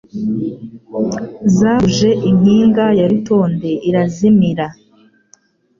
Zabumbuje impingaYa Rutonde irazimira